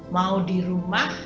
mau di rumah